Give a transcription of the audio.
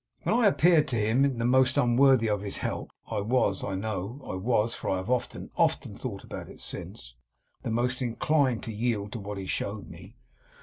'When I appeared to him the most unworthy of his help, I was I know I was, for I have often, often, thought about it since the most inclined to yield to what he showed me.